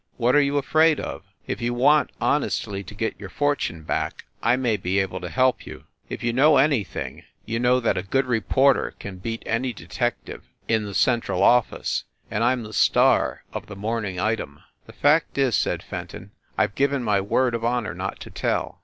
What are you afraid of? If you want honestly to get your fortune back, I may be able to help you. If you know anything, you know that a good reporter can beat any detective in the 102 F?ND THE WOMAN central office. And I m the star of the "Morning Item." "The fact is," said Fenton, "I ve given my word of honor not to tell."